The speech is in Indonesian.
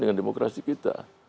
dengan demokrasi kita